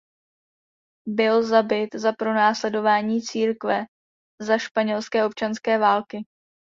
Byl zabit za pronásledování církve za Španělské občanské války.